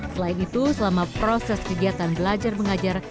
selain itu selama proses kegiatan belajar mengajar